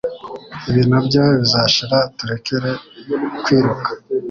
Ibi nabyo bizashira turekere kwiruka